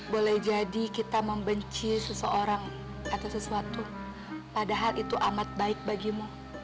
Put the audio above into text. boleh jadi kita membenci seseorang atau sesuatu padahal itu amat baik bagimu